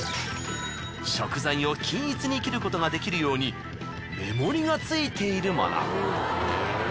食材を均一に切ることができるように目盛りがついているもの。